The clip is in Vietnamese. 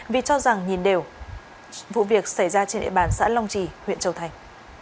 vì cho rằng nhìn đều vụ việc xảy ra trên địa bàn xã long trì huyện châu thành